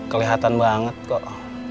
kelihatan banget kok